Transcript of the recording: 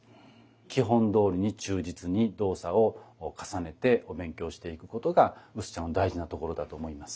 基本どおりに忠実に動作を重ねてお勉強していくことが薄茶の大事なところだと思います。